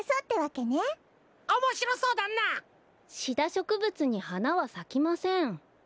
しょくぶつにはなはさきません。